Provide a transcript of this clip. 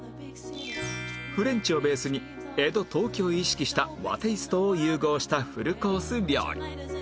フレンチをベースに江戸東京を意識した和テイストを融合したフルコース料理